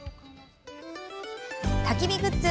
たき火グッズ